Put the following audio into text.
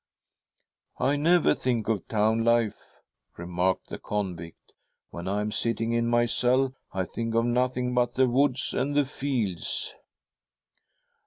' I never think. of town life,' remarked the convict, ' when I am sitting in my cell. I think of nothing but the woods and the fields.'